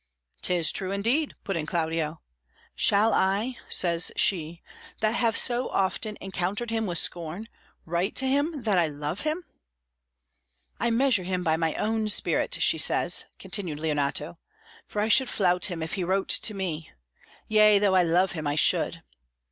"'Tis true indeed," put in Claudio. "'Shall I,' says she, 'that have so often encountered him with scorn, write to him that I love him?'" "'I measure him by my own spirit,' she says," continued Leonato, "'for I should flout him if he wrote to me yea, though I love him, I should.